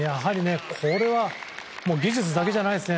これは技術だけじゃないですね。